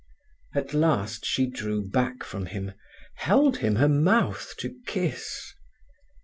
At last she drew back from him, held him her mouth to kiss.